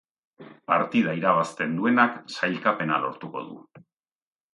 Partida irabazten duenak sailkapena lortuko du.